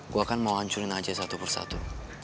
gua kan mau hancurin aja satu persatu